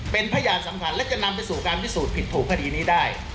เป็นพยานสำคัญและจะนำไปสู่การพิสูจน์ผิดถูกคดีนี้ได้